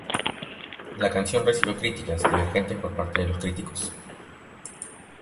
La canción recibió críticas divergentes por parte de los críticos.